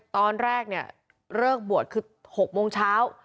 ตอนแรกเนี่ยเลิกบวชคือ๖โมงเช้า